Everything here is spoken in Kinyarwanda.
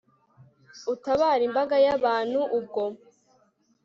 utabare imbaga y'abantu, ubwo